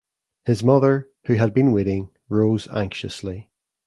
His mother, who had been waiting, rose anxiously.